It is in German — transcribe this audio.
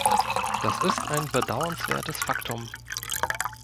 Das ist ein bedauernswertes Faktum.